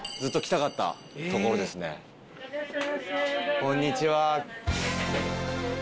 こんにちは。